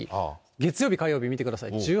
月曜日、火曜日、見てください。